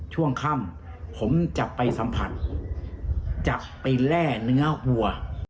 ช่วงค่ำผมจะไปสัมผัสจะไปแร่เนื้อวัว